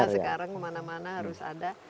sekarang kemana mana harus ada